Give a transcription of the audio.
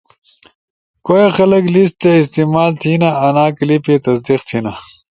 کوئے خلگ لس تی استعمال تھینا آنا کلپے تصدیق تھینا